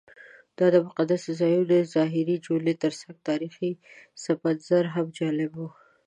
دا د مقدسو ځایونو د ظاهري جولې ترڅنګ تاریخي پسمنظر هم جالب و.